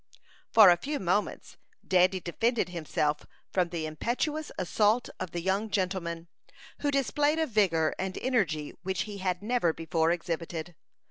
For a few moments, Dandy defended himself from the impetuous assault of the young gentleman, who displayed a vigor and energy which he had never before exhibited.